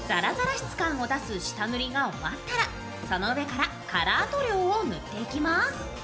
質感を出す下塗りが終わったら、その上からカラー塗料を塗っていきます。